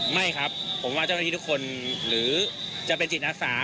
ไม่ครับผมว่าเจ้าหน้าที่ทุกคนหรือจะเป็นจิตอาสา